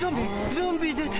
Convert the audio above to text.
ゾンビ出た！